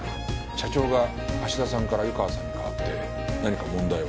社長が芦田さんから湯川さんに代わって何か問題は？